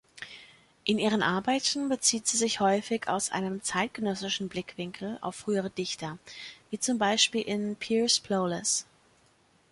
In ihren Arbeiten bezieht sie sich häufig aus einem zeitgenössischen Blickwinkel auf frühere Dichter, wie z. B. in „Piers Plowless“.